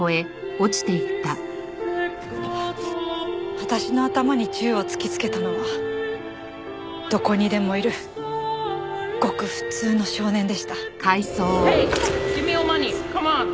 私の頭に銃を突きつけたのはどこにでもいるごく普通の少年でした。